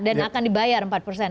dan akan dibayar empat persen